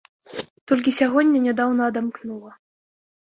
Толькі сягоння нядаўна адамкнула.